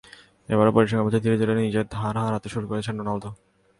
এবারও পরিসংখ্যানই বলছে, ধীরে ধীরে নিজের ধার হারাতে শুরু করেছেন রোনালদো।